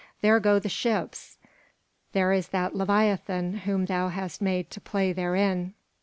There go the ships: there is that leviathan whom thou hast made to play therein.